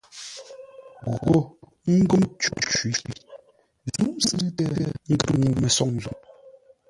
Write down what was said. Gho ńgó cǒ cwí; zúʼ sʉ̂ʉtə ngər ŋuu-mə́soŋ zo.